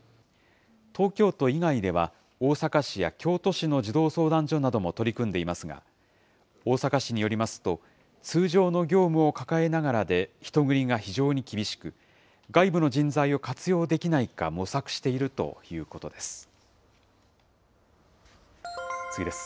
東京都以外では、大阪市や京都市の児童相談所なども取り組んでいますが、大阪市によりますと、通常の業務を抱えながらで人繰りが非常に厳しく、外部の人材を活用できないか模索しているということです。